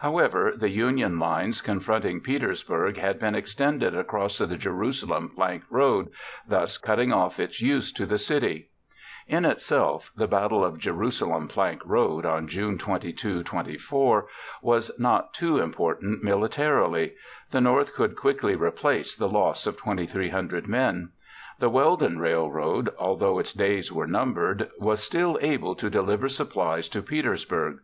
However, the Union lines confronting Petersburg had been extended across the Jerusalem Plank Road, thus cutting off its use to the city. In itself, the Battle of Jerusalem Plank Road on June 22 24 was not too important militarily. The North could quickly replace the loss of 2,300 men. The Weldon Railroad, although its days were numbered, was still able to deliver supplies to Petersburg.